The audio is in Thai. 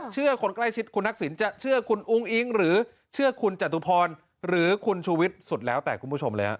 คนใกล้ชิดคุณทักษิณจะเชื่อคุณอุ้งอิ๊งหรือเชื่อคุณจตุพรหรือคุณชูวิทย์สุดแล้วแต่คุณผู้ชมแล้ว